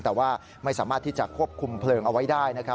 แต่ว่าไม่สามารถที่จะควบคุมเพลิงเอาไว้ได้นะครับ